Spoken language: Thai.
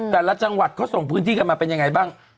แต่ละจังหวัดเขาส่งพื้นที่กันมาเป็นยังไงบ้าง